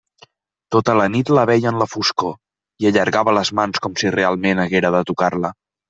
Tota la nit la veia en la foscor, i allargava les mans com si realment haguera de tocar-la.